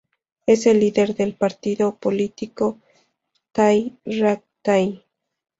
Es el líder de partido político Thai Rak Thai.